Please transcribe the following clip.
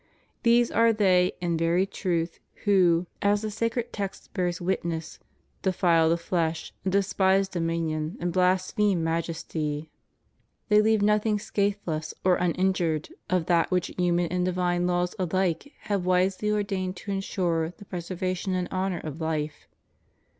These are they in very truth who, as the sacred text ' Isai. Iviii. 1. 32 SOCIALISM, COMMUNISM, NIHILISM. 23 bears witness, defile the flesh, and despise dominion, and blaspheme majesty} They leave nothing scathless or un injured of that which human and divine laws ahke have wisely ordained to ensure the preservation and honor of life.